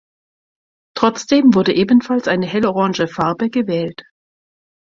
Trotzdem wurde ebenfalls eine hellorange Farbe gewählt.